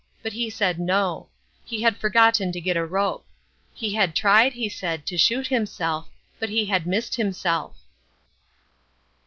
But he said no. He had forgotten to get a rope. He had tried, he said, to shoot himself. But he had missed himself.